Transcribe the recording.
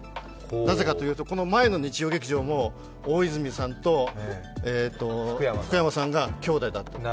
なぜかというと、この前の日曜劇場も大泉さんと福山さんが兄弟だった。